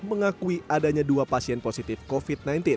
mengakui adanya dua pasien positif covid sembilan belas